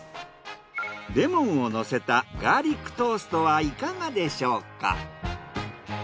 レモンをのせたガーリックトーストはいかがでしょうか？